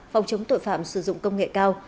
phòng chống tội phạm sử dụng công nghệ